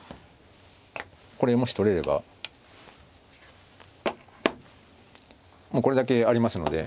これもし取れればこれだけありますので。